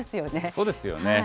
そうですよね。